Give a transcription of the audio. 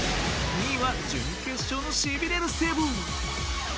２位は準決勝のしびれるセーブ。